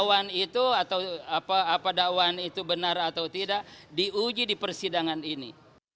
apa dakwaan itu benar atau tidak diuji di persidangan ini